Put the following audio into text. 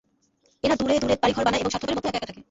এঁরা দূরে দূরে বাড়িঘর বানায় এবং স্বার্থপরের মতো একা একা থাকে।